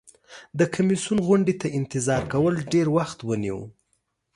د کمیسیون غونډې ته انتظار کول ډیر وخت ونیو.